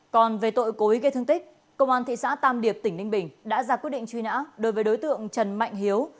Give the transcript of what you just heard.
còn về tội cố ý gây thương tích công an thị xã tam điệp tỉnh ninh bình đã ra quyết định truy nã đối với đối tượng trần mạnh hiếu